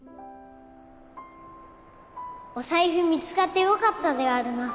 お財布見つかってよかったであるな。